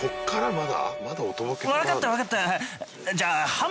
まだ？